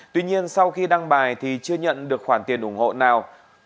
tuy nhiên sau khi đăng bài thì chưa nhận được khoản tiền ủng hộ nào